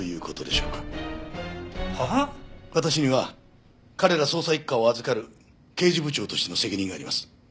私には彼ら捜査一課を預かる刑事部長としての責任があります。